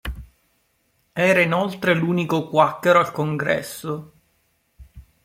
Era inoltre l'unico quacchero al Congresso.